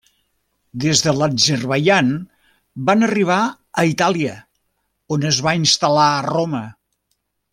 Des de l'Azerbaidjan va arribar a Itàlia, on es va instal·lar a Roma.